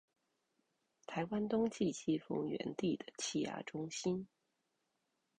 台灣冬季季風源地的氣壓中心